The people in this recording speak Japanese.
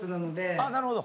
ああなるほど。